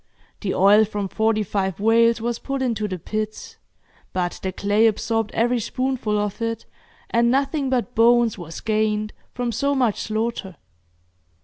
The oil from forty five whales was put into the pits, but the clay absorbed every spoonful of it, and nothing but bones was gained from so much slaughter.